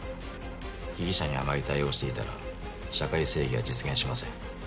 被疑者に甘い対応をしていたら社会正義は実現しません。